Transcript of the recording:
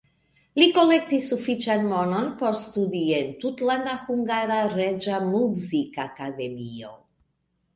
Li kolektis sufiĉan monon por studi en Tutlanda Hungara Reĝa Muzikakademio.